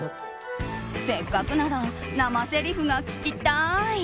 せっかくなら生せりふが聞きたい。